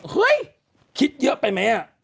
ขึ้นเยอะไปไหม